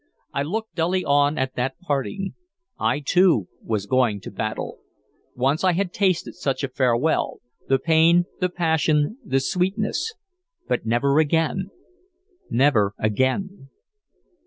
I looked dully on at that parting. I too was going to battle. Once I had tasted such a farewell, the pain, the passion, the sweetness, but never again, never again.